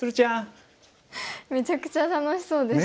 めちゃくちゃ楽しそうでしたね。